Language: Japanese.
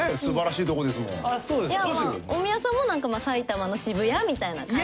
いや大宮さんもなんか埼玉の渋谷みたいな感じ。